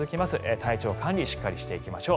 体調管理をしっかりしていきましょう。